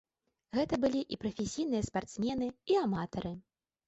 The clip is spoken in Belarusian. Гэта былі і прафесійныя спартсмены, і аматары.